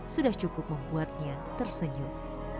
sudah cukup membuatnya tersenyum